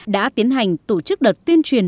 đã tiến hành tổ chức đợt tuyên truyền